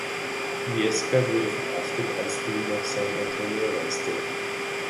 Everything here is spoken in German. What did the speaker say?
Viesca wurde verhaftet, als die nach San Antonio reiste.